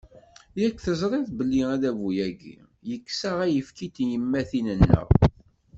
Yak tezriḍ belli adabu-agi, yekkes-aɣ ayefki n tyemmatin-nneɣ.